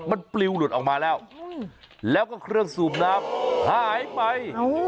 มันปลิวหลุดออกมาแล้วแล้วก็เครื่องสูบน้ำหายไป